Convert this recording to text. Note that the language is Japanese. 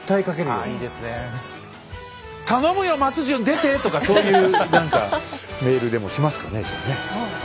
「頼むよ松潤出て！」とかそういう何かメールでもしますかねじゃあねっ。